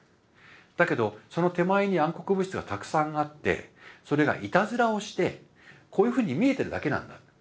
だけどその手前に暗黒物質がたくさんあってそれがいたずらをしてこういうふうに見えてるだけなんだと。